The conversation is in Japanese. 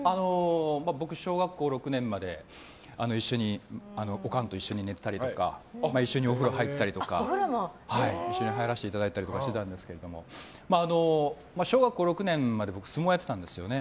僕、小学校６年まで一緒にオカンと寝てたりとか一緒にお風呂入らせていただいたりとかしてたんですけど小学校６年まで僕、相撲をやってたんですね。